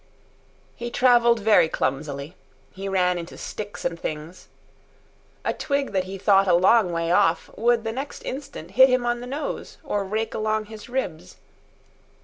He travelled very clumsily. He ran into sticks and things. A twig that he thought a long way off, would the next instant hit him on the nose or rake along his ribs.